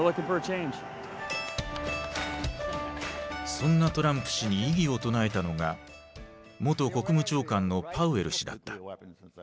そんなトランプ氏に異議を唱えたのが元国務長官のパウエル氏だった。